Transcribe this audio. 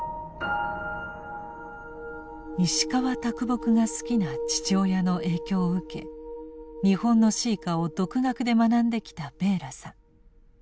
石川木が好きな父親の影響を受け日本の詩歌を独学で学んできたベーラさん。